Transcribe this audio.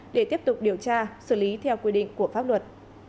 để tiếp tục điều tra xử lý theo quy định của pháp luật